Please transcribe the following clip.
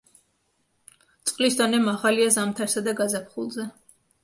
წყლის დონე მაღალია ზამთარსა და გაზაფხულზე.